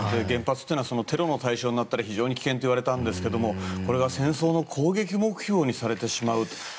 原発ってテロの対象になったり非常に危険といわれたんですがこれが戦争の攻撃目標にされてしまう。